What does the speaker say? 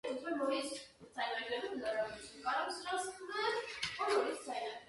In quater-imaginary arithmetic, a "carry" "subtracts" from the next-but-one column, and a "borrow" "adds".